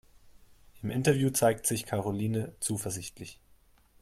Im Interview zeigt sich Karoline zuversichtlich.